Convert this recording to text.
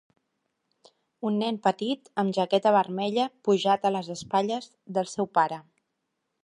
Un nen petit amb jaqueta vermella pujat a les espatlles del seu pare.